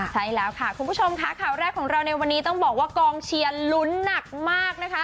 ใช่แล้วค่ะคุณผู้ชมค่ะข่าวแรกของเราในวันนี้ต้องบอกว่ากองเชียร์ลุ้นหนักมากนะคะ